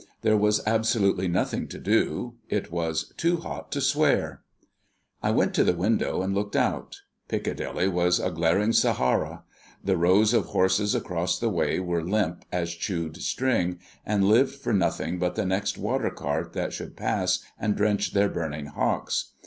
There was absolutely nothing to do. It was too hot to swear. I went to the window and looked out. Piccadilly was a glaring Sahara. The rows of horses across the way were limp as chewed string, and lived for nothing but the next water cart that should pass and drench their burning hocks.